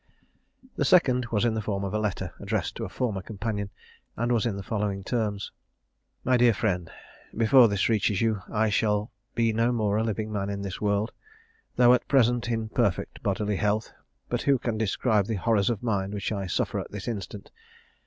The second was in the form of a letter, addressed to a former companion, and was in the following terms: "MY DEAR FRIEND, Before this reaches you, I shall be no more a living man in this world, though at present in perfect bodily health: but who can describe the horrors of mind which I suffer at this instant?